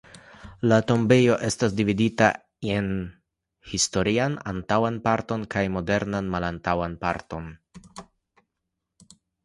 La tombejo estas dividita en historian antaŭan parton kaj modernan malantaŭan parton.